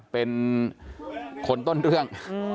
เป็นคนต้นเรื่อง